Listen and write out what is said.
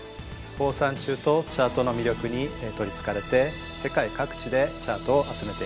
放散虫とチャートの魅力に取りつかれて世界各地でチャートを集めています。